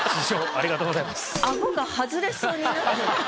ありがとうございます。